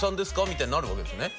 みたいになるわけですね？